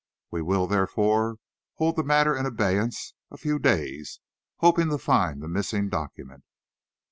We will, therefore, hold the matter in abeyance a few days, hoping to find the missing document."